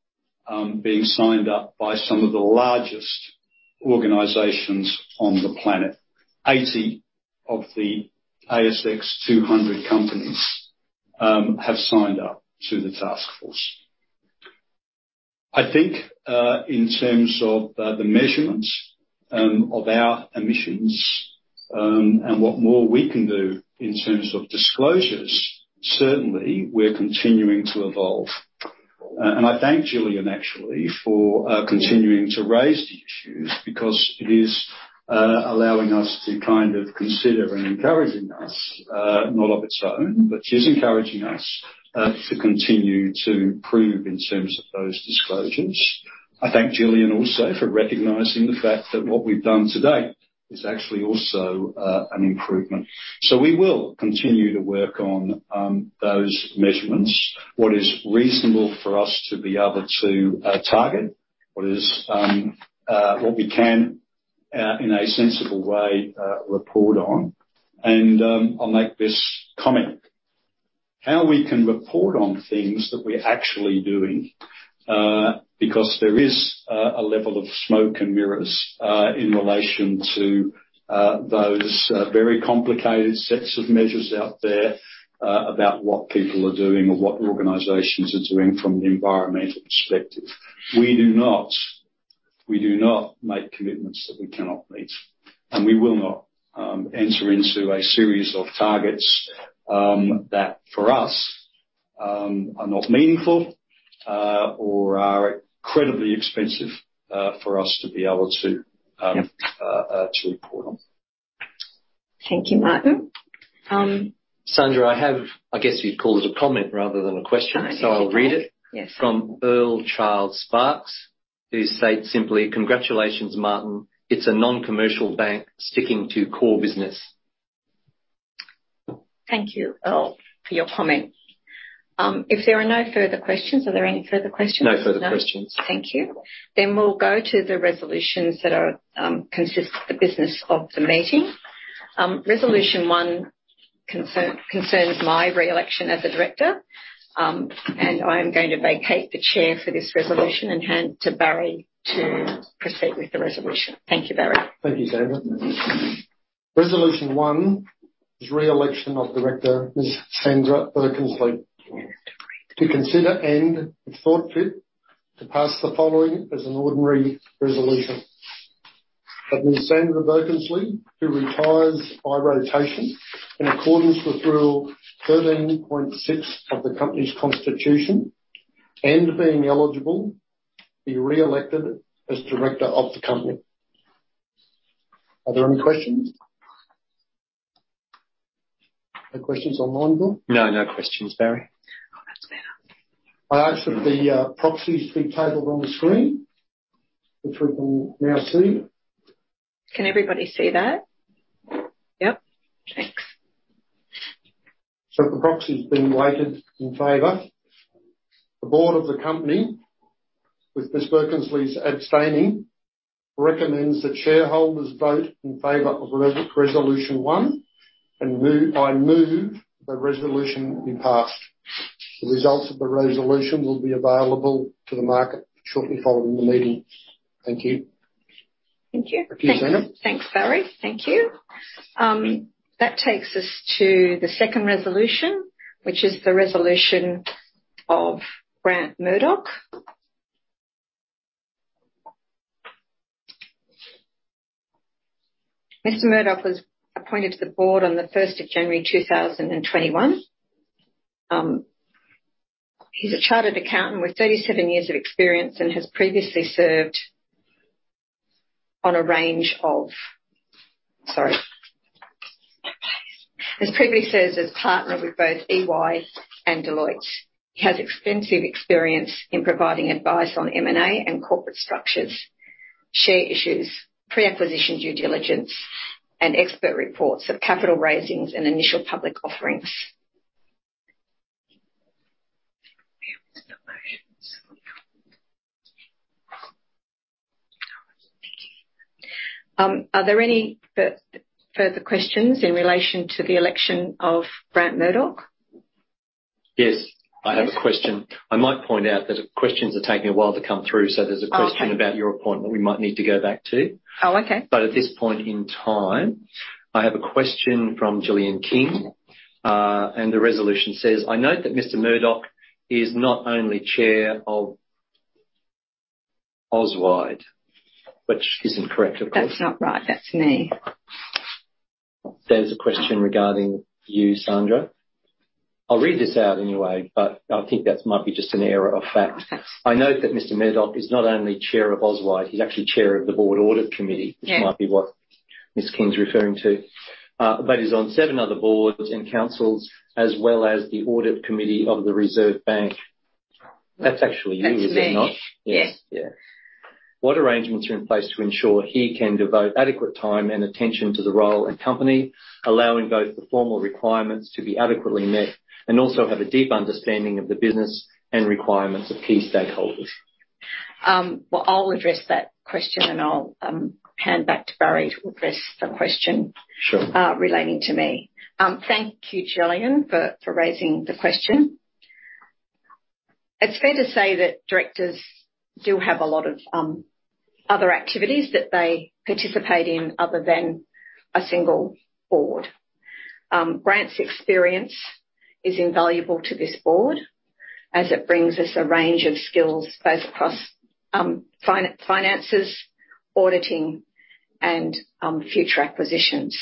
being signed up by some of the largest organizations on the planet. 80 of the ASX 200 companies have signed up to the task force. I think in terms of the measurements of our emissions and what more we can do in terms of disclosures, certainly we're continuing to evolve. I thank Gillian actually for continuing to raise the issues because it is allowing us to kind of consider and encouraging us, not of its own, but she's encouraging us to continue to improve in terms of those disclosures. I thank Gillian also for recognizing the fact that what we've done to date is actually also an improvement. We will continue to work on those measurements. What is reasonable for us to be able to target. What we can in a sensible way report on. I'll make this comment. How we can report on things that we're actually doing, because there is a level of smoke and mirrors in relation to those very complicated sets of measures out there about what people are doing or what organizations are doing from an environmental perspective. We do not make commitments that we cannot meet, and we will not enter into a series of targets that for us are not meaningful or are incredibly expensive for us to be able to report on. Thank you, Martin. Sandra, I have, I guess you'd call it a comment rather than a question. Oh, okay. I'll read it. Yes. From Earl Childs-Sparks, who states simply, "Congratulations, Martin. It's a non-commercial bank sticking to core business. Thank you, Earl, for your comment. If there are no further questions? Are there any further questions? No further questions. Thank you. We'll go to the resolutions that constitute the business of the meeting. Resolution one concerns my re-election as a director, and I'm going to vacate the chair for this resolution and hand to Barry to proceed with the resolution. Thank you, Barry. Thank you, Sandra. Resolution 1 is re-election of director, Ms. Sandra Birkensleigh. To consider and if thought fit, to pass the following as an ordinary resolution. That Ms. Sandra Birkensleigh, who retires by rotation in accordance with rule 13.6 of the company's constitution and being eligible, be re-elected as director of the company. Are there any questions? No questions online, Paul? No, no questions, Barry. Oh, that's better. I ask that the proxies be tabled on the screen, which we can now see. Can everybody see that? Yep. Thanks. The proxy has been weighted in favor. The board of the company, with Ms. Birkensleigh's abstaining, recommends that shareholders vote in favor of resolution one and move, I move the resolution be passed. The results of the resolution will be available to the market shortly following the meeting. Thank you. Thank you. Thank you, Sandra. Thanks, Barry. Thank you. That takes us to the second resolution, which is the resolution of Grant Murdoch. Mr. Murdoch was appointed to the board on the first of January 2021. He's a chartered accountant with 37 years of experience and has previously served as partner with both EY and Deloitte. He has extensive experience in providing advice on M&A and corporate structures, share issues, pre-acquisition due diligence and expert reports of capital raisings and initial public offerings. Are there any further questions in relation to the election of Grant Murdoch? Yes, I have a question. I might point out that questions are taking a while to come through, so there's a question. Oh, okay. About your appointment we might need to go back to. Oh, okay. At this point in time, I have a question from Gillian King. The resolution says, "I note that Mr. Murdoch is not only chair of Auswide," which isn't correct, of course. That's not right. That's me. There's a question regarding you, Sandra. I'll read this out anyway, but I think that might be just an error of fact. Okay. I note that Mr. Murdoch is not only Chair of Auswide, he's actually Chair of the Board Audit Committee. Yeah. Which might be what Ms. King's referring to. He's on seven other boards and councils as well as the Audit Committee of the Reserve Bank. That's actually you, is it not? That's me. Yes. Yeah. What arrangements are in place to ensure he can devote adequate time and attention to the role and company, allowing both the formal requirements to be adequately met and also have a deep understanding of the business and requirements of key stakeholders? Well, I'll address that question then I'll hand back to Barry to address the question. Sure. Relating to me. Thank you, Gillian, for raising the question. It's fair to say that directors do have a lot of other activities that they participate in other than a single board. Grant's experience is invaluable to this board as it brings us a range of skills both across finances, auditing, and future acquisitions.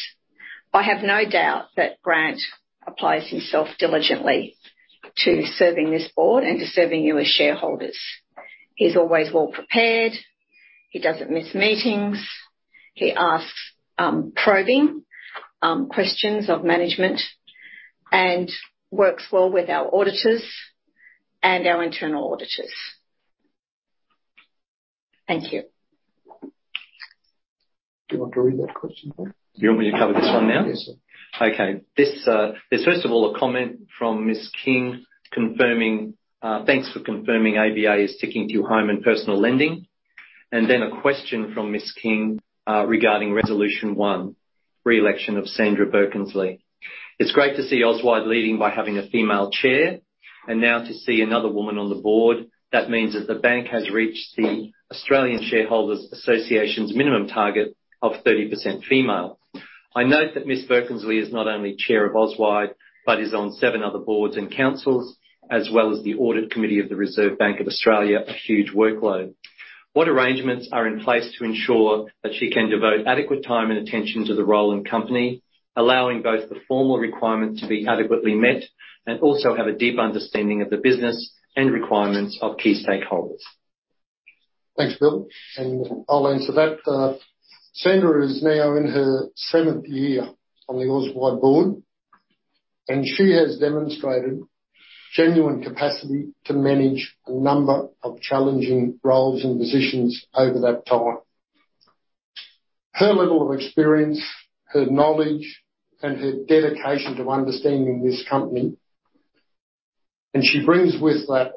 I have no doubt that Grant applies himself diligently to serving this board and to serving you as shareholders. He's always well-prepared. He doesn't miss meetings. He asks probing questions of management and works well with our auditors and our internal auditors. Thank you. Do you want to read that question, Bill? You want me to cover this one now? Yes, sir. Okay. There's first of all, a comment from Ms. King confirming, "Thanks for confirming ABA is sticking to home and personal lending." A question from Ms. King regarding resolution 1, re-election of Sandra Birkensleigh. It's great to see Auswide leading by having a female chair and now to see another woman on the board. That means that the bank has reached the Australian Shareholders Association's minimum target of 30% female. I note that Ms. Birkensleigh is not only chair of Auswide, but is on seven other boards and councils, as well as the Audit Committee of the Reserve Bank of Australia, a huge workload. What arrangements are in place to ensure that she can devote adequate time and attention to the role and company, allowing both the formal requirement to be adequately met and also have a deep understanding of the business and requirements of key stakeholders? Thanks, Bill, and I'll answer that. Sandra is now in her seventh year on the Auswide board, and she has demonstrated genuine capacity to manage a number of challenging roles and positions over that time. Her level of experience, her knowledge, and her dedication to understanding this company, and she brings with that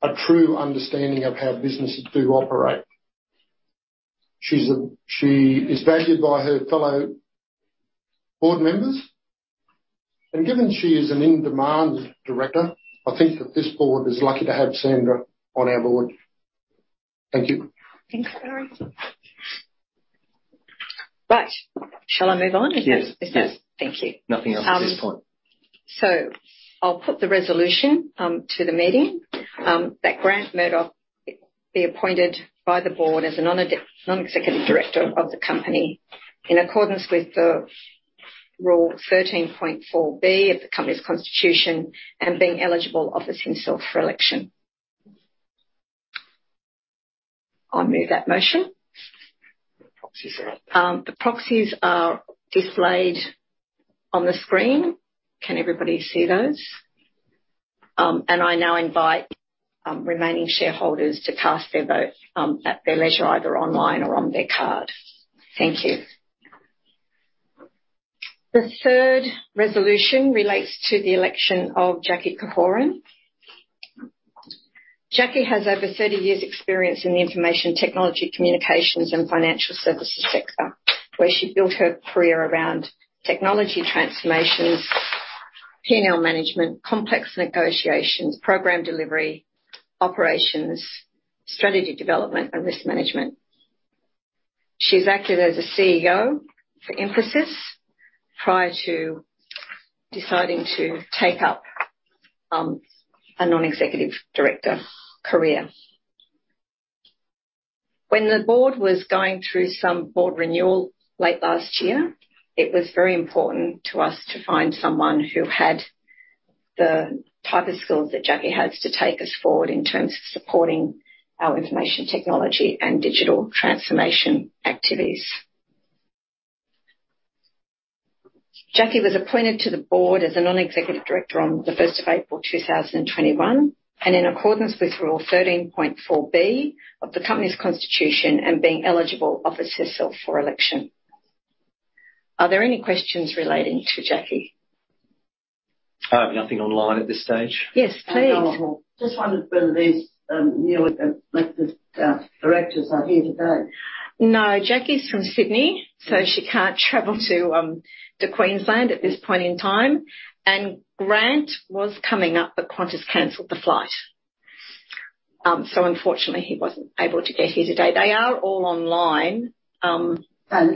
a true understanding of how businesses do operate. She is valued by her fellow board members, and given she is an in-demand director, I think that this board is lucky to have Sandra on our board. Thank you. Thanks, Barry. Right. Shall I move on? Yes. Is that? Yes. Thank you. Nothing else at this point. I'll put the resolution to the meeting that Grant Murdoch be appointed by the board as a non-executive director of the company in accordance with rule 13.4B of the company's constitution and being eligible, offers himself for election. I'll move that motion. The proxies are out. The proxies are displayed on the screen. Can everybody see those? I now invite remaining shareholders to cast their vote at their leisure, either online or on their card. Thank you. The third resolution relates to the election of Jackie Korhonen. Jackie has over 30 years experience in the information technology, communications and financial services sector, where she built her career around technology transformations, P&L management, complex negotiations, program delivery, operations, strategy development, and risk management. She's acted as a CEO for prior to deciding to take up a non-executive director career. When the board was going through some board renewal late last year, it was very important to us to find someone who had the type of skills that Jackie has to take us forward in terms of supporting our information technology and digital transformation activities. Jackie was appointed to the board as a non-executive director on April 1, 2021, and in accordance with rule 13.4B of the company's constitution and being eligible, offers herself for election. Are there any questions relating to Jackie? I have nothing online at this stage. Yes, please. Just wondered whether these newly elected directors are here today. No, Jackie's from Sydney, so she can't travel to Queensland at this point in time. Grant was coming up, but Qantas canceled the flight. Unfortunately, he wasn't able to get here today. They are all online. That's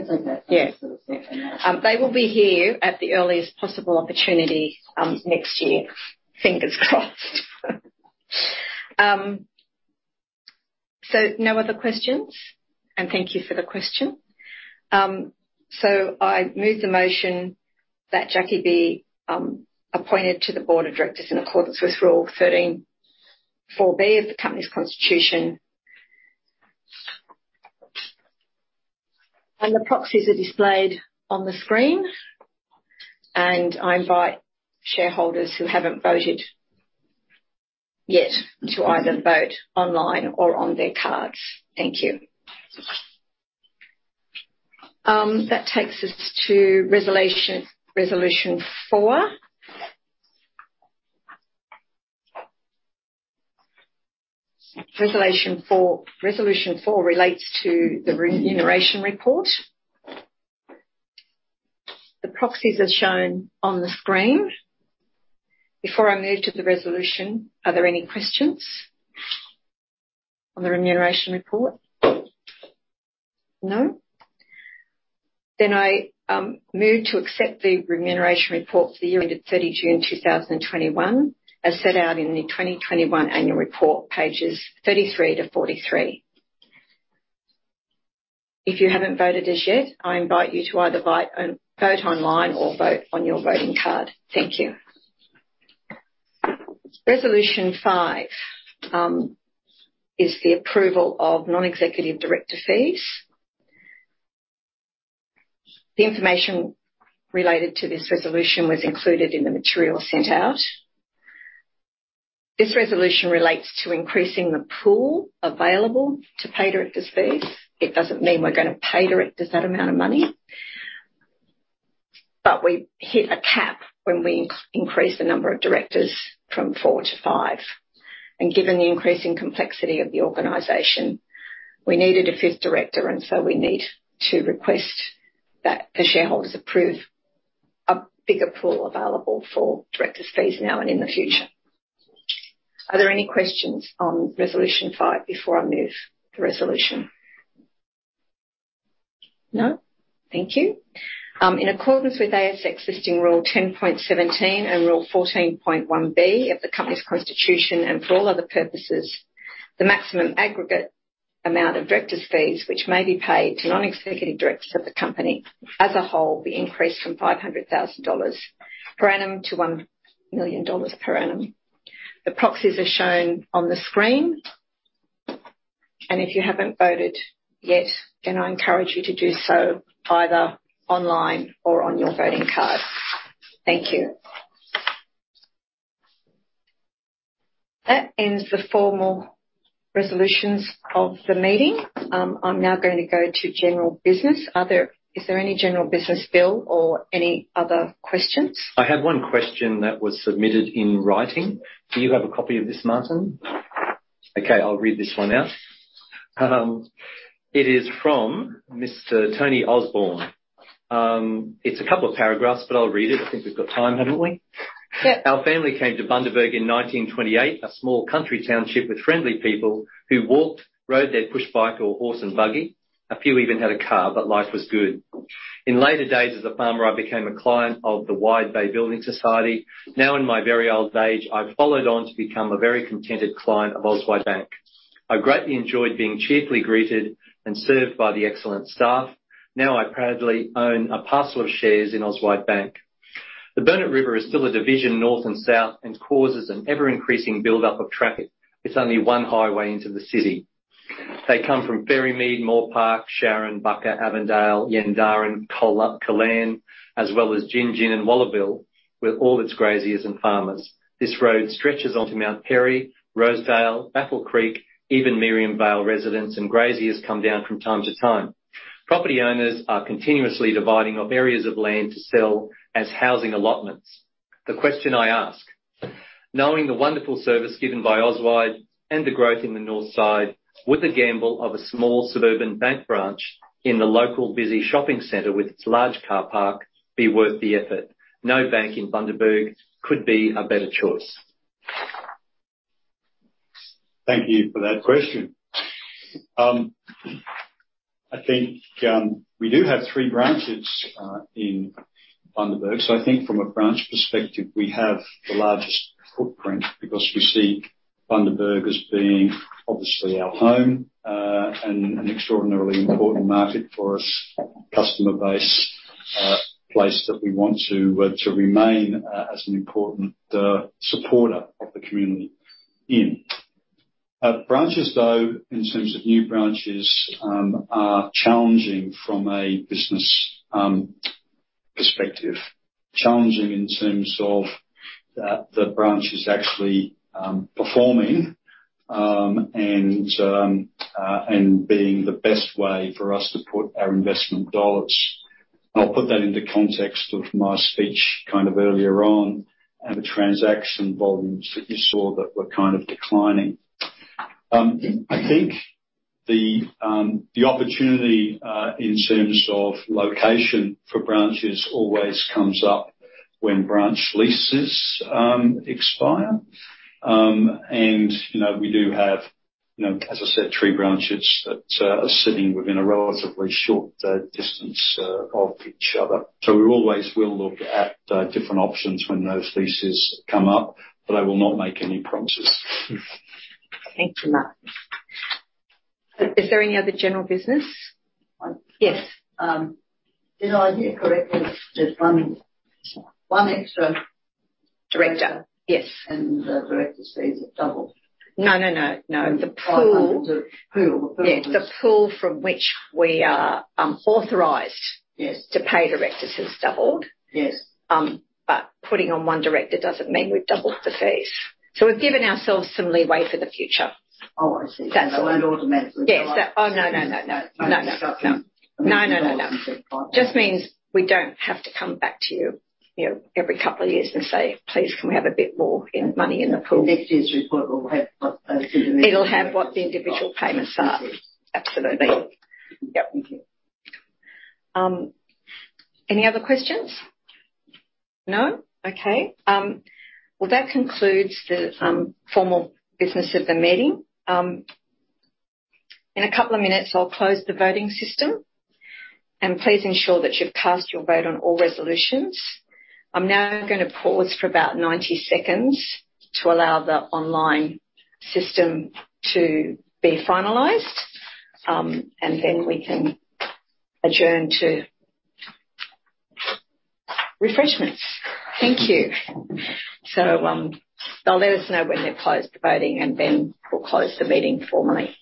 okay. Yes, they will be here at the earliest possible opportunity next year. Fingers crossed. No other questions? Thank you for the question. I move the motion that Jackie be appointed to the board of directors in accordance with rule 13.4-B of the company's constitution. The proxies are displayed on the screen, and I invite shareholders who haven't voted yet to either vote online or on their cards. Thank you. That takes us to resolution 4. Resolution 4 relates to the remuneration report. The proxies are shown on the screen. Before I move to the resolution, are there any questions on the Remuneration Report? No? I move to accept the Remuneration Report for the year ended 30 June 2021, as set out in the 2021 Annual Report, pages 33-43. If you haven't voted as yet, I invite you to either vote online or vote on your voting card. Thank you. Resolution 5 is the approval of Non-Executive Director fees. The information related to this resolution was included in the material sent out. This resolution relates to increasing the pool available to pay directors' fees. It doesn't mean we're gonna pay directors that amount of money, but we hit a cap when we increased the number of directors from four to five. Given the increasing complexity of the organization, we needed a fifth director, and so we need to request that the shareholders approve a bigger pool available for directors' fees now and in the future. Are there any questions on resolution 5 before I move the resolution? No? Thank you. In accordance with ASX listing rule 10.17 and rule 14.1-B of the company's constitution, and for all other purposes, the maximum aggregate amount of directors' fees which may be paid to non-executive directors of the company as a whole be increased from 500,000 dollars per annum to 1 million dollars per annum. The proxies are shown on the screen, and if you haven't voted yet, then I encourage you to do so either online or on your voting card. Thank you. That ends the formal resolutions of the meeting. I'm now going to go to general business. Is there any general business, Bill, or any other questions? I have one question that was submitted in writing. Do you have a copy of this, Martin? Okay, I'll read this one out. It is from Mr. Tony Osborne. It's a couple of paragraphs, but I'll read it. I think we've got time, haven't we? Yeah. Our family came to Bundaberg in 1928, a small country township with friendly people who walked, rode their pushbike or horse and buggy. A few even had a car, but life was good. In later days as a farmer, I became a client of the Wide Bay Building Society. Now in my very old age, I've followed on to become a very contented client of Auswide Bank. I greatly enjoyed being cheerfully greeted and served by the excellent staff. Now I proudly own a parcel of shares in Auswide Bank. The Burnett River is still a division north and south and causes an ever-increasing buildup of traffic. It's only one highway into the city. They come from Fairymead, Moore Park, Sharon, Bucca, Avondale, Yandaran, Kolan, as well as Gin Gin and Wallaville, with all its graziers and farmers. This road stretches onto Mount Perry, Rosedale, Baffle Creek, even Miriam Vale residents and graziers come down from time to time. Property owners are continuously dividing up areas of land to sell as housing allotments. The question I ask, knowing the wonderful service given by Auswide and the growth in the north side, would the gamble of a small suburban bank branch in the local busy shopping center with its large car park be worth the effort? No bank in Bundaberg could be a better choice. Thank you for that question. I think we do have three branches in Bundaberg. I think from a branch perspective, we have the largest footprint because we see Bundaberg as being obviously our home and an extraordinarily important market for us, customer base, place that we want to remain as an important supporter of the community in. Branches, though, in terms of new branches, are challenging from a business perspective. Challenging in terms of the branches actually performing and being the best way for us to put our investment dollars. I'll put that into context of my speech kind of earlier on and the transaction volumes that you saw that were kind of declining. The opportunity in terms of location for branches always comes up when branch leases expire. You know, we do have, you know, as I said, three branches that are sitting within a relatively short distance of each other. We always will look at different options when those leases come up, but I will not make any promises. Thanks a lot. Is there any other general business? Yes. Did I hear correctly, there's one extra director? Yes. The director says it doubled. No. The pool. Yes. The pool from which we are authorized to pay directors has doubled. Yes. But putting on one director doesn't mean we've doubled the fees. We've given ourselves some leeway for the future. Oh, I see. That's it. It won't automatically. Yes. Oh, no. It just means we don't have to come back to you know, every couple of years and say, "Please, can we have a bit more money in the pool?" Next year's report will have what the individual payments are. Absolutely. Thank you. Yep. Any other questions? No. Okay. Well, that concludes the formal business of the meeting. In a couple of minutes, I'll close the voting system. Please ensure that you've cast your vote on all resolutions. I'm now gonna pause for about 90 seconds to allow the online system to be finalized, and then we can adjourn to refreshments. Thank you. They'll let us know when they've closed the voting, and then we'll close the meeting formally.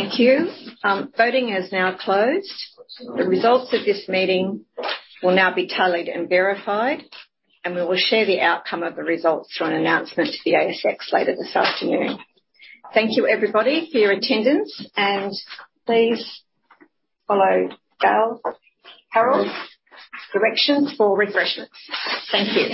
Thank you. Voting is now closed. The results of this meeting will now be tallied and verified, and we will share the outcome of the results through an announcement to the ASX later this afternoon. Thank you, everybody, for your attendance, and please follow Dale Carroll's directions for refreshments. Thank you.